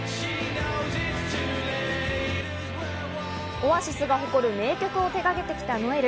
オアシスが誇る名曲を手がけてきたノエル。